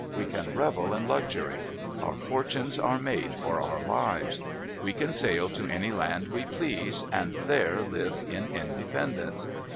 We can revel in luxury. Our fortunes are made for our lives. We can sail to any land we please, and there live in independence.